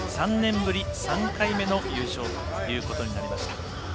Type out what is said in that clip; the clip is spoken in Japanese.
３年ぶり３回目の優勝ということになりました。